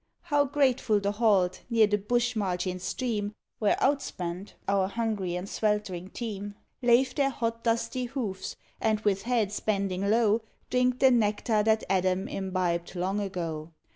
How grateful the halt near the bush margined stream, Where "uitspanned," our hungry and sweltering team Lave their hot dusty hoofs, and with heads bending low, Drink the nectar that Adam imbibed long ago.